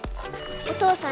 お父さん